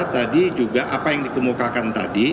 jadi juga apa yang dikemukakan tadi